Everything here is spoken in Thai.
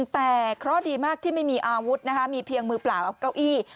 แต่เคราะห์ดีมากที่ไม่มีอาวุธนะคะมีเพียงมือเปล่าเอาเก้าอี้